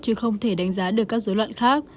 chứ không thể đánh giá được các dối loạn khác